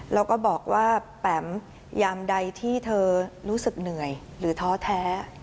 แล้วก็บอกว่าแปมยามใดที่เธอรู้สึกเหนื่อยหรือท้อแท้